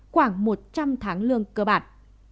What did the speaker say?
khoảng một trăm linh tháng lương cơ bản